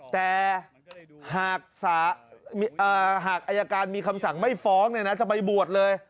แต่หากอายการมีคำสั่งไม่ฟ้องจะไปบวชเลย